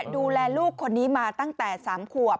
ดูแลลูกคนนี้มาตั้งแต่๓ขวบ